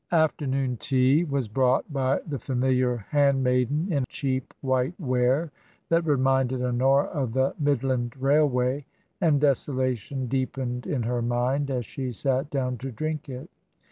Afternoon tea was brought by the familiar hand maiden, in cheap white ware that reminded Honora of the Midland Railway, and desolation deepened in her mind as she sat down to drink it.